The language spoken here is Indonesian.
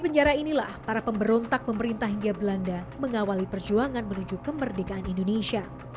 penjara inilah para pemberontak pemerintah hindia belanda mengawali perjuangan menuju kemerdekaan indonesia